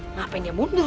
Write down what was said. ngapain dia mundur